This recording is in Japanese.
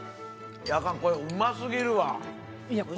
アカンこれうますぎるわ。